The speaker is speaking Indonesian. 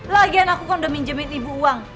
lagian aku kondominjemin ibu uang